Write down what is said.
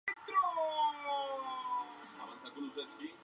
Slots-A-Fun es el casino más pequeño del Strip de Las Vegas.